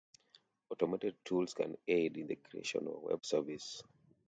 Automated tools can aid in the creation of a web service.